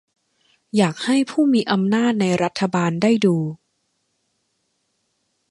อยากให้ผู้มีอำนาจในรัฐบาลได้ดู